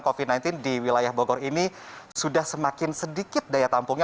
covid sembilan belas di wilayah bogor ini sudah semakin sedikit daya tampungnya